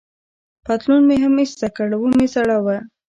پتلون مې هم ایسته کړ، و مې ځړاوه.